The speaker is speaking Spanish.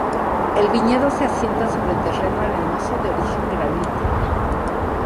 El viñedo se asienta sobre terreno arenoso de origen granítico.